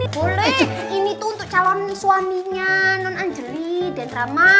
boleh ini tuh untuk calon suaminya non angeli dan rama